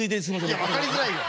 いや分かりづらいわ。